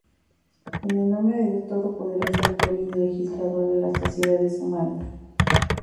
En el nombre de Dios Todo poderoso, autor y legislador de las sociedades humanas.